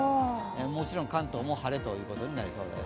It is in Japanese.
もちろん関東も晴れということになりそうです。